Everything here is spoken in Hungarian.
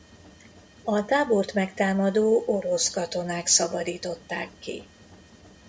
A tábort megtámadó orosz katonák szabadították ki.